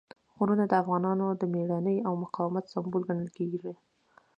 غرونه د افغانانو د مېړانې او مقاومت سمبول ګڼل کېږي.